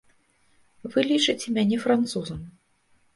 Вы лічыце мяне французам.